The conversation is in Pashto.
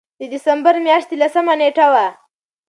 د دسمبر مياشتې لسمه نېټه وه